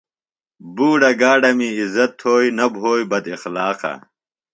بُوڈہ گاڈمے عزت تھوئے نہ بھوئے بداخلاقہ۔